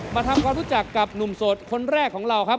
มาทำความรู้จักกับหนุ่มโสดคนแรกของเราครับ